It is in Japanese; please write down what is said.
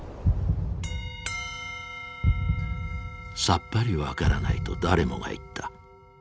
さっぱり分からないと誰もが言った。